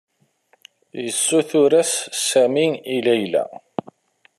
Yessuter-as Sami i Layla.